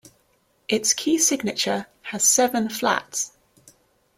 Its key signature has seven flats.